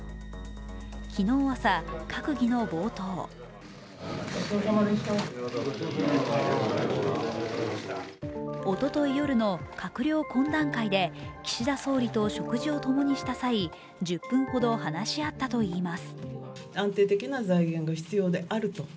昨日朝、閣議の冒頭おととい夜の閣僚懇談会で岸田総理と食事をともにした際、１０分ほど話し合ったといいます。